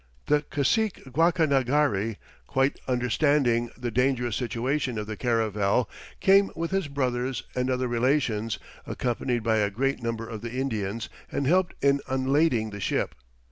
The cacique Guacanagari, quite understanding the dangerous situation of the caravel, came with his brothers and other relations, accompanied by a great number of the Indians, and helped in unlading the ship.